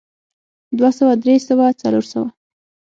دوه سوه درې سوه څلور سوه